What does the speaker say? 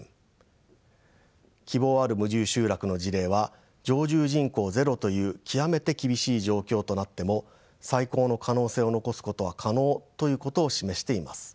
希望ある無住集落の事例は常住人口ゼロという極めて厳しい状況となっても再興の可能性を残すことは可能ということを示しています。